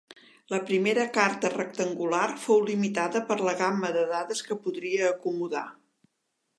La primera carta rectangular fou limitada per la gamma de dades que podria acomodar.